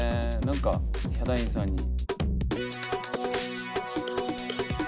何かヒャダインさんに。